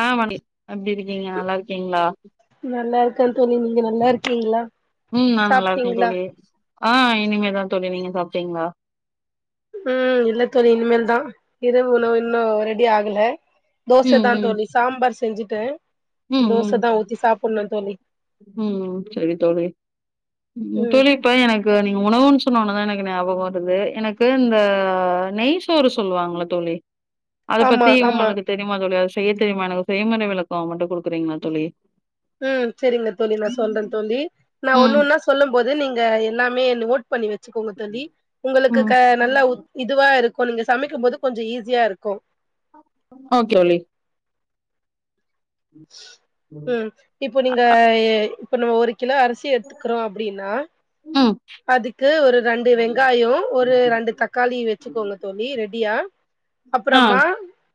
ஆமாங்க எப்டி இருக்கீங்க நல்லாருக்கீங்ளா நல்லாருக்கே தோழி நீங்க நல்லாருக்கீங்ளா ம் நா நல்லாருக்கே தோழி ஆ இனிமேதா தோழி நீங்க சாப்ட்டீங்ளா ம் இல்ல தோழி இனிமேல் தா இரவு உணவு இன்னு ரெடியாகல தோச ம் தா ம் தோழி சாம்பார் செஞ்சுட்டே ம் ம் தோச தா ஊத்தி சாப்புட்ணு தோழி ம் ம் செரி தோழி ம் தோழி இப்பவே எனக்கு நீங்க உணவுன் சொன்ன உன்ன தா எனக்கு ஞாபகோ வருது எனக்கு இந்த நெய் சோறு சொல்வாங்கில்ல தோழி அது ஆமா பத்தி ஆமா உங்களுக்கு தெரியுமா தோழி அது செய்ய தெரியுமா எனக்கு செய்முறை விளக்கோ மட்டு குடுக்கறீங்ளா தோழி ம் செரிங்க தோழி நா சொல்றே தோழி நா ஒன்னு ம் ஒன்னா சொல்லும் போது நீங்க எல்லாமே நோட் பண்ணி வெச்சுக்கோங்க தோழி உங்களுக்கு ம் க நல்ல உத் இதுவா இருக்கு நீங்க சமைக்கும்போது கொஞ்ச ஈஸியா இருக்கு ஓக் தோழி ம் இப்போ நீங்க எ இப்ப நம்ம ஒரு கிலோ அரிசி எட்த்துக்கிறோ அப்டின்னா ம் அதுக்கு ஒரு ரெண்டு வெங்காயோ ஒரு ரெண்டு தக்காளி வெச்சுக்கோங்க தோழி ரெடியா ஆ அப்றமா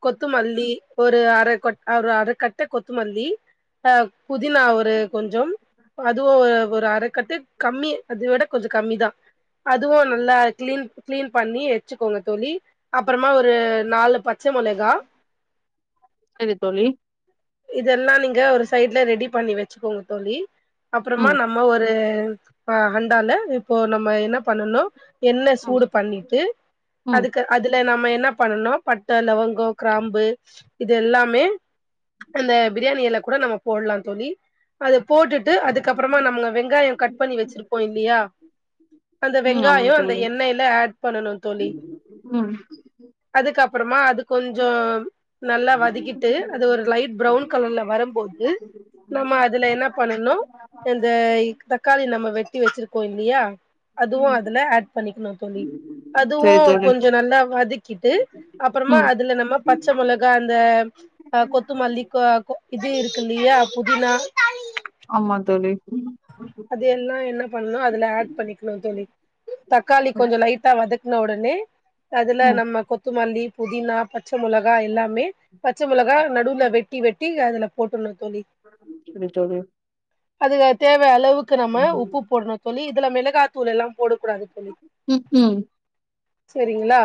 கொத்துமல்லி ஒரு அர கொ ஒரு அரக்கட்டு கொத்துமல்லி அ புதினா ஒரு கொஞ்சோ அதுவு ஒ ஒரு அரக்கட்டு கம்மி அது விட கொஞ்சோ கம்மிதா அதுவு நல்லா கிளீன் கிளீன் பண்ணி வச்சுக்கோங்க தோழி அப்பறமா ஒரு நாலு பச்ச மொளகா சரி தோழி இதெல்லா நீங்க ஒரு சைட்ல ரெடி பண்ணி வச்சுக்கோங்க தோழி அப்றமா ம் நம் ம ஒரு அ அண்டால இப்போ நம்ம என்ன பண்ணணு எண்ணெ ம் சூடு பண்ணிட்டு ம் அதுக்க அதுல நம்ம என்னா பண்ணனு பட்ட லவங்கோ க்ராம்பு இது எல்லாமே அந்த ப்ரியாணி எல கூட நம்ப போட்லா தோழி அது போட்டுட்டு அதுக்கப்புறமா நம்ம வெங்காயோ கட் பண்ணி வச்சிருப்போ இல்லையா அந்த ம் ஆமா வெங்காயோ அந்த தோழி எண்ணெய்ல ஆட் பண்ணணு தோழி ம் அதுக்கப்புறமா அது கொஞ்சோ நல்லா வதக்கிட்டு அது ஒரு லைட் ப்ரௌன் கலர்ல வரபோது நம்ம அதுல என்னா பண்ணணு இந்த க் தக்காளி நம்ம வெட்டி வச்சிருக்கோ இல்லியா அதுவும அதுல ஆட் பண்ணிக்கணு தோழி அதுவு சரி தோழி கொஞ்ச நல்லா வதக்கிட்டு அப்புறமா ம் அதுல நம்ம பச்ச மொளகா அந்த ஆ கொத்துமல்லி [unintelligible] இது இருக்கு இல்லையா புதினா ஆமா தோழி அது எல்லா என்னா பண்ணு அதுல ஆட் பண்ணிக்கணு தோழி தக்காளி கொஞ்சோ லைட்டா வதக்குன உடனே அதுல ம் நம்ம கொத்துமல்லி புதினா பச்ச மொளகா எல்லாமே பச்ச மிளகா நடுவுல வெட்டி வெட்டி அதுல போட்டுணு தோழி சரி தோழி அதுல தேவ அளவுக்கு நம்ம உப்பு போட்ணு தோழி இதுல மிளகாத்தூள் எல்லா போடக்கூடாது தோழி ம் ம் செரிங்களா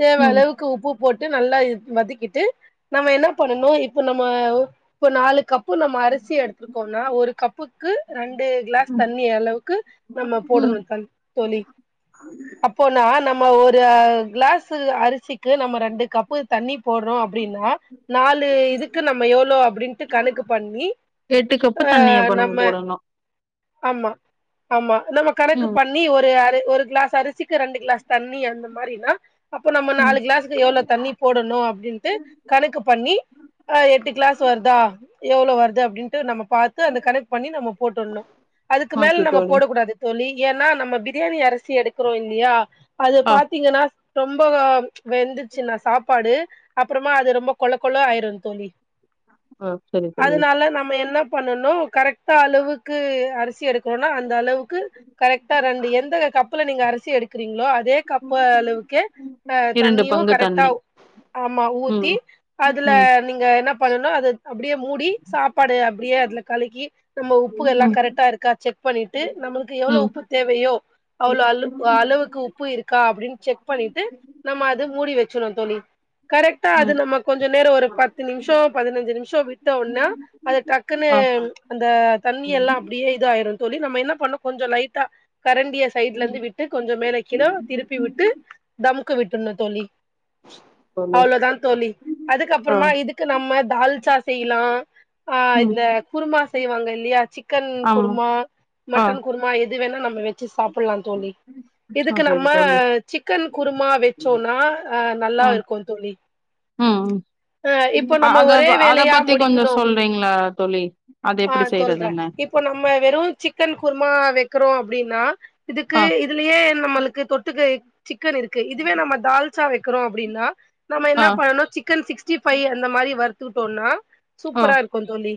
தேவ ம் அளவுக்கு உப்பு போட்டு நல்லா இத் வதக்கிட்டு நம்ம என்ன பண்ணனு இப்ப நம்ம இப்ப நாலு கப் பு நம்ம அரிசி எடுத்திருக்கோம்னா ஒரு கப்புக்கு ரெண்டு கிளாஸ் ம் தண்ணி அளவுக்கு நம்ம ம் போட்ணு தள் தோழி அப்போனா நம்ம ஒரு கிளாஸ்ஸு அரிசிக் கு நம்ம ரெண்டு கப்பு தண்ணி போடுறோ அப்டின்னா நாலு இதுக்கு நம்ம எவ்ளோ அப்டின்ட்டு கணக்கு பண்ணி எட்டு கப்பு ஆ தண்ணி அப்ப நம்ம போடணு ஆமா ஆமா நம்ம கணக்கு ம் பண்ணி ஒரு அர ஒரு கிளாஸ்ஸு அரிசிக் கு ரெண்டு கிளாஸ் தண்ணி அந்த மாரினா அப்ப நம்ம ம் நாலு கிளாஸ்க்கு எவ்ளோ தண்ணி போடணு அப்டின்ட்டு கணக்கு பண்ணி அ எட்டு கிளாஸ் வருதா எவ்ளோ வருது அப்டின்ட்டு நம்ம பாத்து அந்த கணக்கு பண்ணி ந போட்டுணு அதுக்கு மேல ஓகே நம்ம தோழி போடக்கூடாது தோழி ஏனா நம்ம ப்ரியாணி அரிசி எடுக்கிறோ இல்லியா அது ஆ பாத்தீங்கனா ரொம்ப வெந்துச்சுனா சாப்பாடு அப்புறமா அது ரொம்ப கொள கொள ஆயிரு தோழி ஆ சரி தோழி அதனால நம்ம என்ன பண்ணணு கரெக்டா அளவுக்கு அரிசி எடுக் றோனா அந்த அளவுக்கு கரெக்டா ரெண்டு எந்த கப்புல நீங்க அரிசி எடுக்கிறீங்களோ அது அதே கப்பு அளவுக்கே த இரண்டு தண்ணியு பங்கு கரெக்டா தண்ணி ஆமா ஊத்தி ம் அதுல ம் நீங்க என்ன பண்ணணு அது அப்டியே மூடி சாப்பாடு அப்டியே அதுல கலக்கி நம்ம உப்புக எல்லா ம் கரெக்டா இருக்கா செக் பண்ணிட்டு நம்மளுக்கு எவ்ளோ ம் உப்பு தேவையோ ம். அவ்ளோ அள அளவுக்கு உப்பு இருக்கா அப்டினு செக் பண்ணிட்டு நம்ம அது மூடி வச்சுர்ணு தோழி கரெக்டா அது நமக் கொஞ்ச நேரோ ஒரு பத்து நிம்ஷோ பதுனஞ்சு நிம்ஷோ விட்ட ஒட்ன அத டக்குன்னு ஆ. அந்த தண்ணி எல்லா அப்டியே இது ஆயிரு தோழி நம்ம என்ன பண்ணனு கொஞ்ச லைட்டா கரண்டிய சைட்ல இருந்து விட் விட்டு கொஞ்ச மேல கிழோ திருப்பி விட்டு தம்க்கு விட்ரனு தோழி தோழி. அவ்ளோதா தோழி ஆ. அதுக்கப்பறமா இதுக்கு நம்ம தால்சா செய்லா ஆ இந்த ம். குருமா செய்வாங்க இல் லியா சிக்கன் ஆமா. குருமா ஆ. மட்டன் குருமா எது வேனா நம்ம வச்சு சாப்புட்லா தோழி ஆ இதுக்கு சரி நம்ம தோழி. சிக்கன் குருமா ம். வச்சோனா அ நல்லா இருக்கு தோழி ம் ஆ ம் இப்போ ஆ நம்ம அத ஒரே ப அத வேலையா பத்தி கொஞ்சோ முடிக்கணு சொல்றீங்ளா தோழி அது எப்புடி செய்யுறதுன்னு இப்ப நம்ம வெறு சிக்கன் குருமா வெக்குறோ அப்டினா இதுக்கு ஆ. இதுலயே நம்மளுக்கு தொட்டுக்க சிக்கன் இருக்கு இதுவே நம்ம தால் ச்சா வெக்குறோ அப்டினா நம்ம என்ன ஆ. பண்ணனு சிக்கன் சிக்ஸ்டி பைவ் அந்த மாரி வறுத்துக்குட்டோனா ஓ சூப்பரா இருக்கு தோழி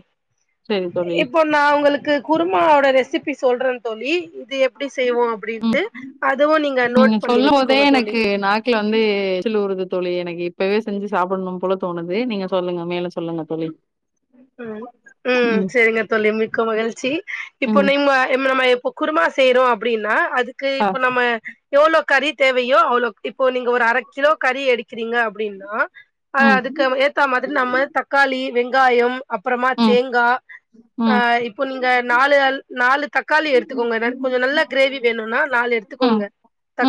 சரி தோழி. இப்போ நா உங்களுக்கு குருமாவோட ரெசிபி சொல்றே தோழி இது எப்டி செய்வோ அ அப்டின்ட்டு அதுவு நீங்க நோட் பண்ணி வச்சுக்கோங்க தோழி க்குல வந்து எச்சில் ஊறுது தோழி எனக்கு இப்பவே செஞ்சு சாப்புட்ணும் போல தோணுது நீங்க சொல்லுங்க மேல சொல்லுங்க தோழி ம் ம் ம் செரிங்க தோழி மிக்க மகிழ்ச்சி இப்ப ம் நீம்ம இம்ம நம்ம எப்போ குருமா செய்றோ அப்புடின்னா அதுக்கு ஆ இப்ப நம்ம எவளோ கறி தேவையோ அவளோக் இப்போ நீங்க ஒரு அர கிலோ கறி எடுக்கிறீங்க அப்புடினா அ ம் அதுக்கு நம்ம ஏர் ஏத்த மாதிரி நம்ம தக்காளி வெங்காயம் அப்பறமா ம் தேங்கா ஆ ம் இப் இப்போ நீங்க நாலு அல் நாலு தக்காளி எடுத்துக்கோங்க நர் கொஞ்ச நல்லா க்ரேவி வேணுன்னா நாலு எடுத்துக்கோங்க ம்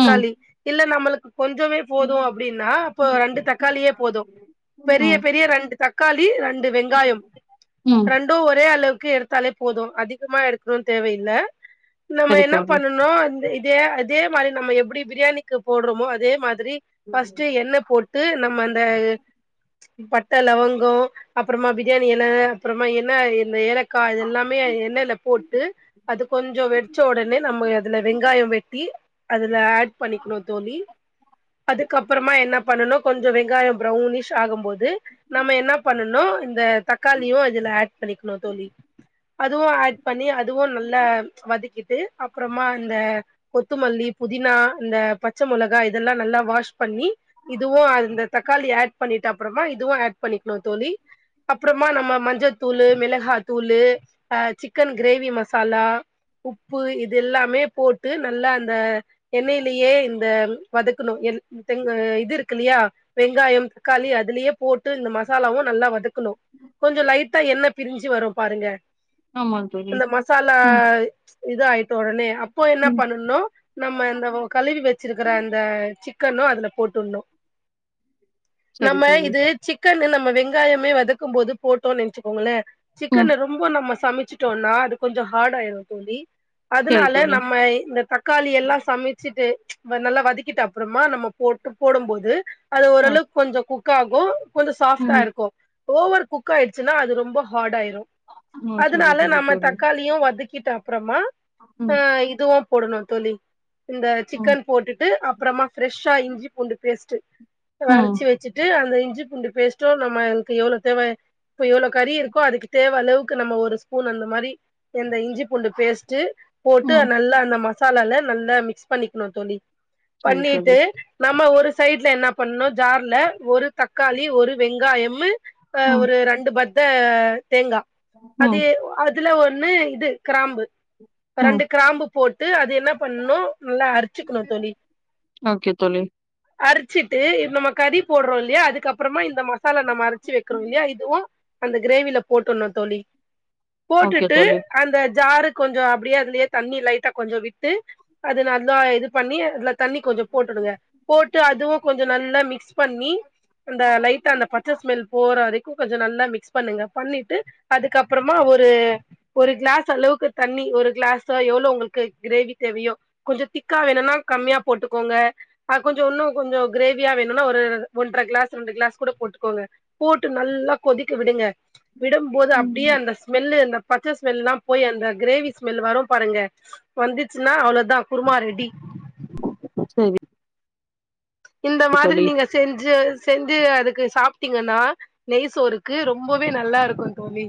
ம் இல்ல நம்மளுக்கு கொஞ்சமே போது அப்புடின்னா அப்போ ரெண்டு தக்காளியே போதும் பெரிய ம் பெரிய ரெண்டு தக் க்காளி ரெண்டு வெங்காயம் ம் ரெண்டு ஒரே அளவுக்கு எடுத்தாலே போதும் அதிகமா எடுக்கணுன்னு தேவையில்ல நம்ம சரி என்ன தோழி பண்ணனு அந்த இதே அதே மாரி நம்ம எப்புடி பிரியாணிக்கு போடுறோமோ அதே மாதிரி பஸ்ட்டு எண்ணெ போட்டு நம்ம அந்த பட்ட லவங்கோ அப்பறமா பிரியாணி எல அப்பறமா என்ன இந்த ஏலக் க்கா இது எல்லாமே எ எண்ணெயில போட்டு அது கொஞ்சோ வெட்ச்ச ஒடனே நம்ம அதுல வெங்காயம் வெட்டி அதுல ஆட் பண்ணிக்னு தோழி அதுக்கப்பறமா என்ன பண்ணனு கொஞ்ச வெங்காயம் பரௌனிஷ் ஆகும் போது நம்ம என்ன பண்ணணு இந்த தக்காளியு இதுல ஆட் பண்ணிக்கணு தோழி அதுவு ஆட் பண்ணி அதுவு நல்லா வதக்கிட்டு அப்றமா இந்த கொத்துமல்லி புதினா இந்த பச்ச மொளகா இதெல்லா நல்லா வாஷ் பண்ணி இதுவு அந்த தக்காளி ஆட் பண்ணிட்ட அப்பறமா இதுவு ஆட் பண்ணிக்கணு தோழி அப்புறமா நம்ம மஞ்சத்தூளு மெளகாயத்தூளு அ சிக்கன் க்ரேவி மசாலா உப்பு இது எல்லாமே போட்டு நல்லா அந்த எண்ணெயிலேயே இந்த வதக்கணு எந் செங்க இது இருக்கு இல்லையா வெங்காயம் தக்காளி அதுலயே போட்டு இந்த மசாலாவு நல்லா வதக்கணு கொஞ்சோ லைட்டா எண்ண பிரிஞ்சு வரும் பாருங்க ஆமா தோழி இந்த மசாலா ம் இது ஆயிட்ட ஒடனே அப்போ என்ன ம் பண்ணனு நம்ம இந்தவோ கழுவி வச்சிருக்குற அந்த சிக்கனு அதுல போட்டுட்ணு சரி நம்ம தோழி இது சிக்கன்னு நம்ம வெங்காயமே வதக்கும் போது போட்டோ நென்ச்சுக்கோங்களே ம் சிக்கன்னு ரொம்போ நம்ம சமச்சிட்டோனா அது கொஞ்சோ ஹாட் ஆய்ரு தோழி சரி அதுனால தோழி நம்மய் இந்த தக்காளி எல்லா சமிச்சிட்டு வ நல்லா வதக்கிட்டு அப்றமா நம்மோப் போட்டு போடும்போது அது ஆ ஓரளக் கொஞ்சு குக் ஆகு கொஞ்சு சாஃப்ட்டா ம் இருக்கு ஓவர் குக் ஆய்ர்ச்சுன்னா அது ரொம்ப ஹாட் ஆய்ரு ஓ சரி அதுனால சரி நம்ம தோழி தக்காளியு வதக்கிட் அப்றமா ஆ ம் இதூம் போடணு தோழி இந்த ம் சிக்கன் போட்டுட்டு அப்ரமா ஃப்ரஷ்ஷா இஞ்சி பூண்டு பேஸ்ட்டு ம் வரச்சி வச்சுட் ட்டு அந்த இஞ்சி பூண்டு பேஸ்ட்டோ நம்மன்க்கு எவ்ளோ தெவெ ப்ப எவ்ளோ கறி இருக்கோ அதுக்கு தேவ் அளவுக்கு நம்ம ஒரு ஸ்பூன் அந்த மாரி எந்த இஞ்சி பூண்டு பேஸ்ட்டு போட்டு ம் நல்லா அந்த மசாலால நல்லா மிக்ஸ் பண்ணிக்ணு தோழி சரி தோழி பண்ணிட்டு நம்ம ஒரு சைட்ல என்ன பண்ணு ஜார்ல ஒரு தக்காளி ஒரு வெங்காயம்மு அ ம் ஒரு ரெண்டு பத்த தேங்கா ம் அதே ஒ அத் இதுல ஒண்ணு இது க்ராம்பு ம். ரெண்டு க்ராம்பு போட்டு அது என்ன பண்ணு நல்லா அர்ச்சிக்ணு தோழி ஓகே தோழி அர்ச்சிட்டு நம்ம கறி போட்றோ இல்லியா அதுக்கப்றம்மா இந்த மசாலா நம்ம அரி ச்சி வக்றோ இல்யா இதுவு அந்த க்ரேவில போட்டுண்ணு தோழி ஓகே போட்டுட்டு தோழி. அந்த ஜாரு கொஞ்சு அப்டியே அதுல்யே தண்ணி லைட்டா கொஞ்சோ விட்டு அது நல்லா இது பண்ணி அத்ல தண்ணி கொஞ்சோ போட்டுடுங்க போட்டு அதுவு கொஞ்ச நல்லா மிக்ஸ் பண்ணி அந்த லைட்டா அந்த பச்ச ஸ்மெல் போறவரைக்கு கொஞ்ச நல்லா மிக்ஸ் பண்ணுங்க பண்ணிட்டு அதுக்கப்றமா ஒரு ஒரு க்ளாஸ் அளவுக்கு தண்ணி ஒரு க்ளாஸோ எவ்ளோ உங்குள்க்கு க்ரேவி தேவியோ கொஞ்ச திக்கா வேணுன்னா கம்மியா போட்டுக்கோங்க அ கொஞ்சு உன்னு கொஞ்சு க்ரேவியா வேணுனா ஒரு ஒன்ற க்ளாஸ் ரெண்டு கிளாஸ் கூட போட்டுக்கோங்க போட்டு நல்லா கொதிக்க விடுங்க விடும்போது அப்டியே ம். அந்த ஸ்மெல்லு அந்தப் பச்ச ஸ்மெல்லா போய் அந்த க்ரேவி ஸ்மெல் வரோ பாருங்க வந்துச்சுன்னா அவ்ளோதா குருமா ரெடி ச்சேரி இந்த மாதிரி நீங்க செஞ்சு செஞ்சு அதுக்கு சாப்ட்டீங்கன்னா நெய் சோறுக்கு ரொம்பவே நல்லாருக்கோ தோழி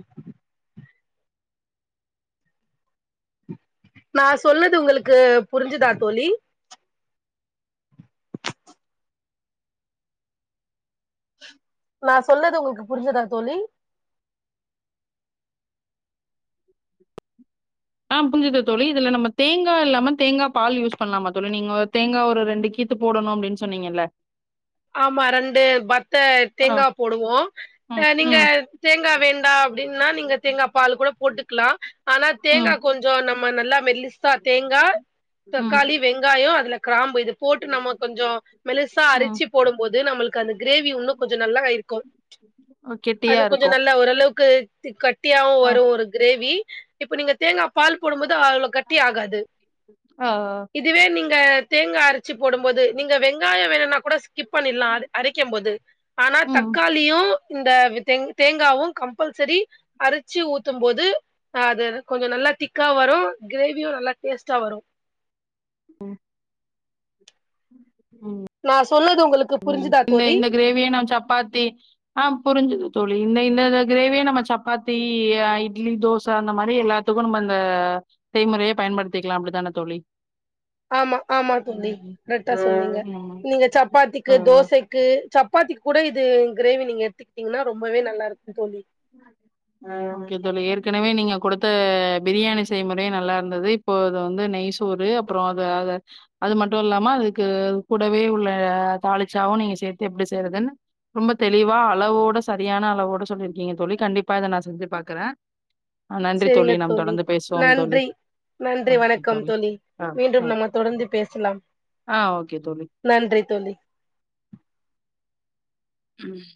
நா சொல்லது உங்களுக்கு புரிஞ்சதா தோழி நா சொல்லுது உங்குக்கு புரிஞ்சதா தோழி ஆ புஞ்சிது தோழி இதுல நம்ம தேங்கா இல்லாம தேங்கா பால் யூஸ் பண்லாமா தோழி நீங்கோ தேங்கா ஒரு ரெண்டு கீத் த்து போடணோ அப்டின் சொன்னீங்கில்ல ஆமா ரெண்டு பத்த ஆ. தேங்கா போடுவோ ம். அ நீங்க ம். தேங்கா வேண்டா அப்டின்னா நீங்க தேங்கா பால் கூட போட்டுக்லா ஆனா தேங்கா ம். கொஞ்சோ நம்ம நல்லா மெலிசா தேங்கா ம். தக்காளிவ் வெங்காயோ அதுல காராம்பு இது போட்டு நம்ம கொஞ்சோ மெலுசா ம். அரிச்சு போடும்போது நம்முள் க அந்த க்ரேவி உன்னோ கொஞ்சோ நல்லா இருக்கோ ஓ கெட்டியா அத கொஞ்சோ இருக்கும். நல்லா ஓரளவுக்கு திக்கட் ட்டியாவு ஆ. வரோ ஒரு க்ரேவி இப்ப நீங்க தேங்கா பால் போடும்போது அவ்ளுக் கட்டி ஆகாது ஆ. இதுவே நீங்க தேங்கா அரச்சு போடும்போது நீங்க வெங்காயோ வேணுனா கூட ஸ்கிப் பண்ணிட்லா அது அரைக்கும் போது ஆனா ம். தக்காளியு ம் இந்த தேங் தேங்காவு கம்பல்சரி அரிச்சு ஊத்தும்போது அது கொஞ்சோ நல்லா திக்கா வரு கிரேவியோ நல்லா டேஸ்ட்டா வரும் ம் ம் நா சொன்னது உங்ளுக்கு ம் இந்த இந்த கிரேவிய நா சப்பாத்தி ஆ புரிஞ்சுது தோழி இந்த இந்த கிரேவியே நம்ம சப்பாத்தி ஆ இட்லி தோச அந்த மாரி எல்லாத் துக்கு நம்ம அந்த செய்முறைய பயன்படுத்திக்கலா அப்டித்தான தோழி ஆமா ஆமா தோழி ம் கரெக்ட்டா சொன்னீங்க ம் நீங்க ஆ சப்பாத்திக்கு தோசைக் கு சப்பாத்திக்கு கூட இது கிரேவி நீங்க எடுத்துக்கிட்டீங்ன்னா ரொம்பவே நல்லா இருக்கு தோழி ஆ ஓகே தோழி ஏற்கனவே நீங்க குடுத்த பிரியாணி செய்முறையே நல்லா இருந்தது இப்போ அது வந்து நெய் சோறு அப்புறோ அது அத அது மட்டு இல்லாம அதுக்கு கூடவே உள்ள தாளிச்சாவு நீங்க சேத்து எப்டி செய்றதுன்னு ரொம்ப தெளிவா அளவோடு சரியான அளவோடு சொல்லியிருக்கீங்க தோழி கண்டிப்பா இத நா செஞ்சு பாக்குற செரிங்க தோழி தோழி நன்றி நன்றி வணக்கம் தோழி ஆ ஆ மீண்டும் நம்ம தொடர்ந்து பேசலாம் ஆ ஓகே தோழி நன்றி தோழி ம்